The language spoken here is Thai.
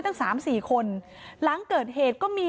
นางศรีพรายดาเสียยุ๕๑ปี